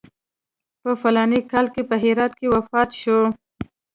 په فلاني کال کې په هرات کې وفات شو.